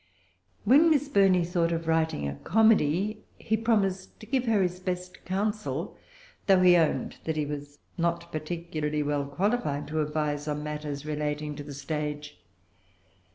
When Miss Burney thought of writing a comedy, he promised to give her his best counsel, though he owned that he was not particularly well qualified to advise on matters relating to the stage.